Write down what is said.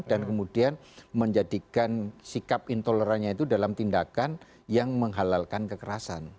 dan kemudian menjadikan sikap intolerannya itu dalam tindakan yang menghalalkan kekerasan